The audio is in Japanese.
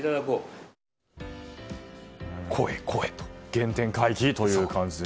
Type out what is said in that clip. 原点回帰という感じで。